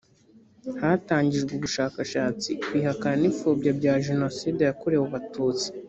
hatangijwe ubushakashatsi ku ihakana n ipfobya bya jenoside yakorewe abatutsi